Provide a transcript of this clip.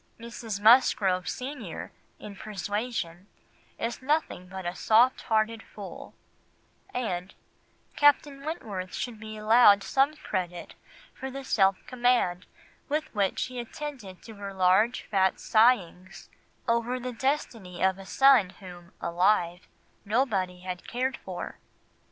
Mrs. Musgrove senior, in Persuasion, is nothing but a soft hearted fool, and "Captain Wentworth should be allowed some credit for the self command with which he attended to her large fat sighings over the destiny of a son whom, alive, nobody had cared for."